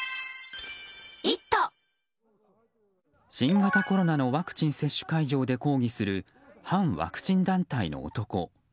新型コロナのワクチン接種会場で抗議する反ワクチン団体の男。